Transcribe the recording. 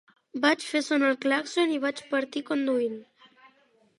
Vaig fer sonar el clàxon i vaig partir conduint.